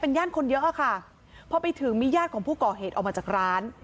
ย่านคนเยอะอะค่ะพอไปถึงมีญาติของผู้ก่อเหตุออกมาจากร้าน